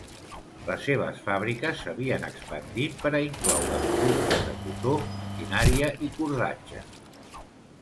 Les seves fàbriques s'havien expandit per a incloure, productes de cotó, maquinària i cordatge.